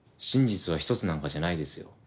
真実は１つなんかじゃないですよ。